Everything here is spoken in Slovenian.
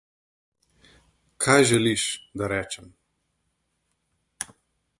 Kaj želiš, da rečem?